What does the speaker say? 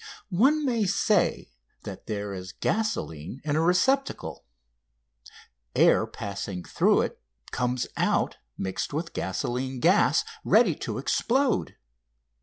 One may say that there is gasoline in a receptacle. Air passing through it comes out mixed with gasoline gas, ready to explode.